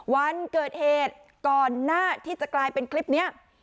วันเกิดเหตุก่อนหน้าที่จะกลายเป็นคลิปนี้